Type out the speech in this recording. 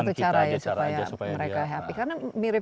supaya mereka happy karena mirip